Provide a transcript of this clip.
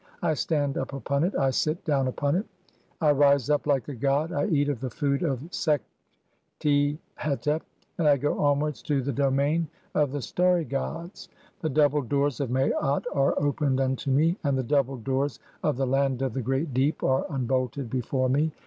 I stand up upon it, I sit "down (9) upon it, I rise up like a god, I eat of the food of "Sekhti hetep, and I go onwards to the (10) domain of the "starry gods. The double doors of Maat are opened unto me, "and the double doors of the land of the great deep (11) are "unbolted before me.